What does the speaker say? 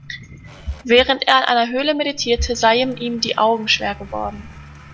Während er in einer Höhle meditierte, seien ihm die Augen schwer geworden.